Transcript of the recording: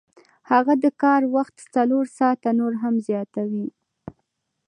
هغه د کار وخت څلور ساعته نور هم زیاتوي